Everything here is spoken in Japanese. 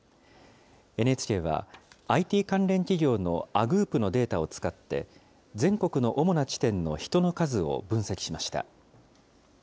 ＮＨＫはＩＴ関連企業のＡｇｏｏｐのデータを使って、全国の主な地点の人の数を分析しました。